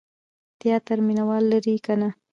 تیاتر مینه وال لري که نه؟